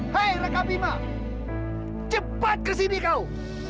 hei rakabima cepat ke sini kau